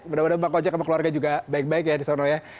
mudah mudahan bang kojek sama keluarga juga baik baik ya di sana ya